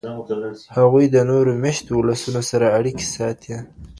هغوی د نورو میشتو ولسونو سره اړیکې ساتي.